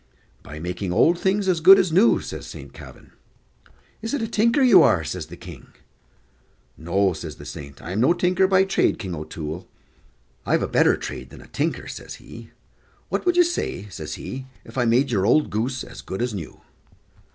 "By makin' old things as good as new," says Saint Kavin. "Is it a tinker you are?" says the King. "No," says the saint; "I'm no tinker by trade, King O'Toole; I've a better trade than a tinker," says he "what would you say," says he, "If I made your old goose as good as new?"